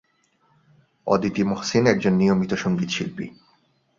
অদিতি মহসিন একজন নিয়মিত সঙ্গীত শিল্পী।